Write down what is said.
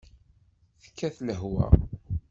Tekkat lehwa.